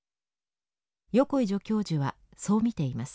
横井助教授はそう見ています。